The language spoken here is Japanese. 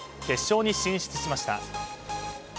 決勝に進出しました。